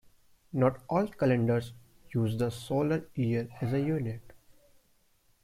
Not all calendars use the solar year as a unit.